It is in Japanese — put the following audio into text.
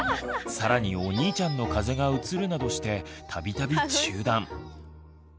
更にお兄ちゃんの風邪がうつるなどして度々中断。